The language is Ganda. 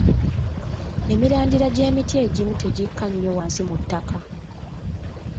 Emirandira gy'emiti egimu tegikka nnyo wansi mu ttaka.